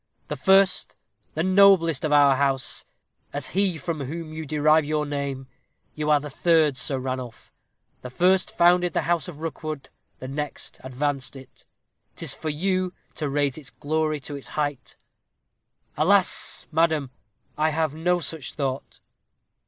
The first, the noblest of our house, was he from whom you derive your name. You are the third Sir Ranulph; the first founded the house of Rookwood; the next advanced it; 'tis for you to raise its glory to its height." "Alas! madam, I have no such thought."